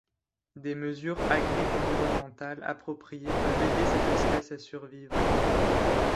Des mesures agri-environnementales appropriées peuvent aider cette espèce à survivre.